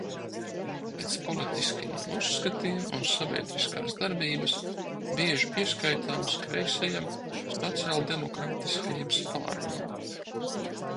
Pēc politiskajiem uzskatiem un sabiedriskās darbības bieži pieskaitāms kreisajam, sociāldemokrātiskajam spārnam.